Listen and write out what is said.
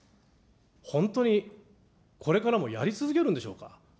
本当にこれからもやり続けるんでしょうか。